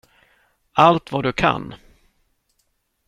Allt vad du kan.